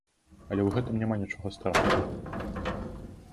Але ў гэтым няма нічога страшнага.